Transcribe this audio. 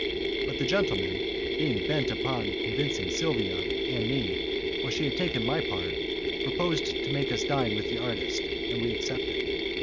But the gentleman, being bent upon convincing Silvia and me for she had taken my part proposed to make us dine with the artist; and we accepted.